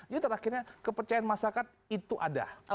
jadi terakhirnya kepercayaan masyarakat itu ada